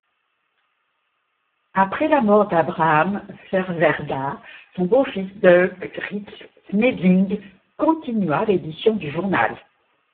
Après la mort d'Abraham Ferwerda son beau-fils Doeke Ritske Smeding continua l'édition du journal.